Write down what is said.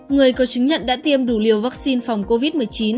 người có chứng nhận đã tiêm đủ liều vaccine phòng covid một mươi chín